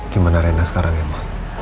gimana rena sekarang ya mbak